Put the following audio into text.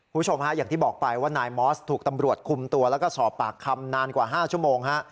คุณผู้ชมฮะอย่างที่บอกไปว่านายมอสถูกตำรวจคุมตัวแล้วก็สอบปากคำนานกว่า๕ชั่วโมงฮะ